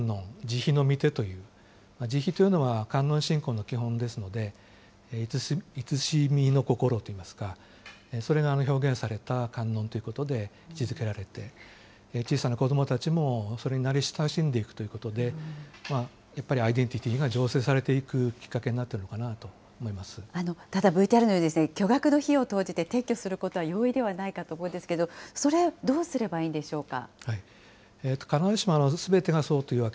ひのみてという、じひというのは、観音信仰の基本ですので、慈しみの心といいますか、それが表現された観音ということで、位置づけられて、小さな子どもたちもそれに慣れ親しんでいくということで、やっぱりアイデンティティーが醸成されていくきっかけになっているのかなと思いまただＶＴＲのように巨額の費用を投じて撤去することは容易ではないかと思うんですけれども、それ、どうすればいいんでしょうか。